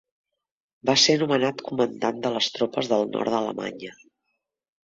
Va ser nomenat comandant de les tropes del nord d'Alemanya.